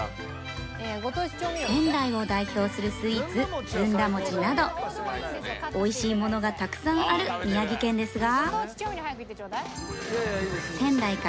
仙台を代表するスイーツずんだ餅など美味しいものがたくさんある宮城県ですが